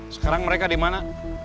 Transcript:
sekarang mereka dimana